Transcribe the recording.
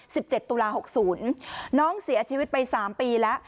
สิบเจ็ดตุลาหกศูนย์น้องเสียชีวิตไปสามปีแล้ว